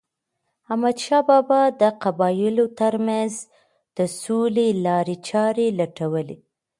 احمد شاه بابا د قبایلو ترمنځ د سولې لارې چاري لټولي.